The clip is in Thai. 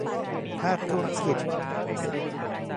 ภาคธุรกิจ